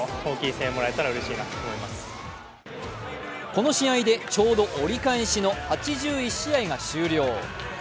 この試合でちょうど折り返しの８１試合が終了。